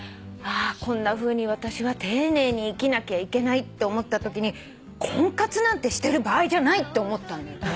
ああこんなふうに私は丁寧に生きなきゃいけないって思ったときに婚活なんてしてる場合じゃないって思ったんだよね。